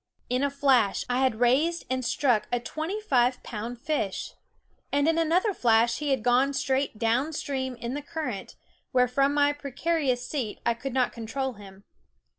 In a flash I had raised and struck a twenty five pound fish; and in another flash he had gone straight downstream in the current, where from my precarious seat I could not control him.